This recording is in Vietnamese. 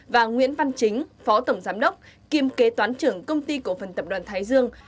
và nguyễn văn chính phó tổng giám đốc kiêm kế toán trưởng công ty cổ phần tập đoàn thái dương